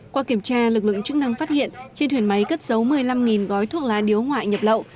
qua kiểm tra lực lượng chức năng phát hiện trên thuyền máy cất giấu một mươi năm gói thuốc lá điếu ngoại nhập lậu